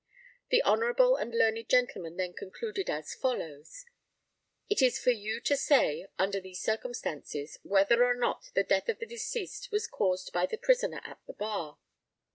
The hon. and learned gentleman then concluded as follows: It is for you to say, under these circumstances, whether or not the death of the deceased was caused by the prisoner at the bar.